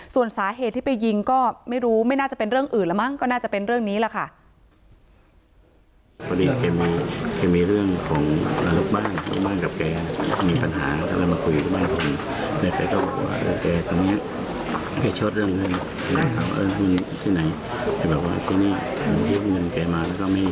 ส่วนสาเหตุที่ไปยิงก็ไม่รู้ไม่น่าจะเป็นเรื่องอื่นแล้วมั้งก็น่าจะเป็นเรื่องนี้แหละค่ะ